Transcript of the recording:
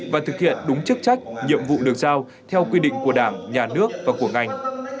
và thực hiện đúng chức trách nhiệm vụ được giao theo quy định của đảng nhà nước và của ngành